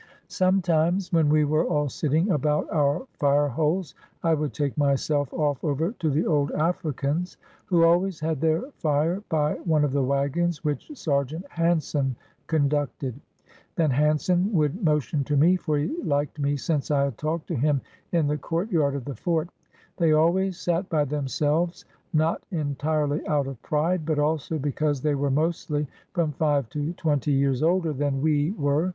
Sometimes when we were all sitting about our fire holes, I would take myself off over to the old Africans, who always had their fire by one of the wagons which Sergeant Hansen conducted. Then Hansen would mo tion to me, for he liked me since I had talked to him in the courtyard of the fort. They always sat by them selves, not entirely out of pride, but also because they were mostly from five to twenty years older than we were.